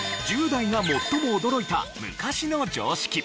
１０代が最も驚いた昔の常識。